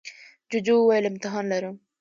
جوجو وویل امتحان لرم.